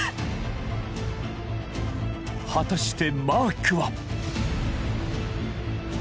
果たしてマークは？